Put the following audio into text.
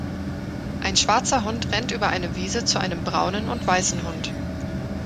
Ein schwarzer Hund rennt über eine Wiese zu einem braunen und weißen Hund.